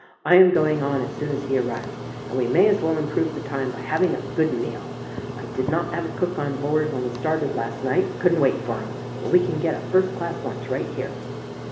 I am going on as soon as he arrives, and we may as well improve the time by having a good meal. I did not have a cook on board when we started last night — couldn't wait for him; but we can get a first class lunch right here."